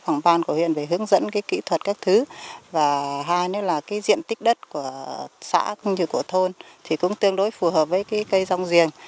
thứ hai là cái phòng ban của huyện để hướng dẫn cái kỹ thuật các thứ và hai nữa là cái diện tích đất của xã cũng như của thôn thì cũng tương đối phù hợp với cái cây rong riềng